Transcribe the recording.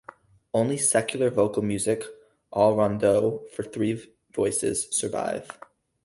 Only secular vocal music, all Rondeaux for three voices, survive.